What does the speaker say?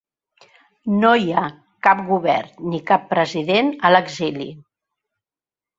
No hi ha cap govern ni cap president a l’exili.